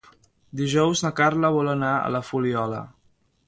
Dijous na Carla vol anar a la Fuliola.